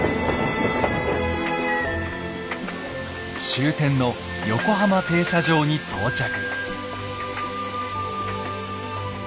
終点の横浜停車場に到着。